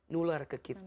nular ke kita